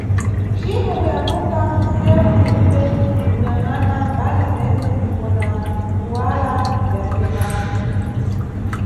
Cipo kuyambuka nʼsewu tiribe kunyangʼana mʼbali zentse ndipo na miwala ya semaforo.